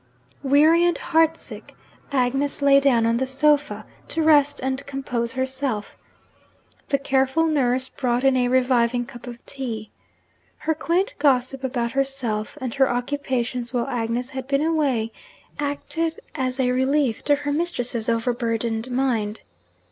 Weary and heartsick, Agnes lay down on the sofa, to rest and compose herself. The careful nurse brought in a reviving cup of tea. Her quaint gossip about herself and her occupations while Agnes had been away, acted as a relief to her mistress's overburdened mind.